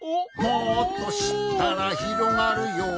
「もっとしったらひろがるよ」